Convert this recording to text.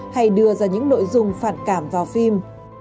hay đưa ra những nội dung phản cảm vào phim